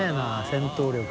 戦闘力。